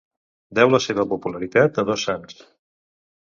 Deu la seva popularitat a dos sants.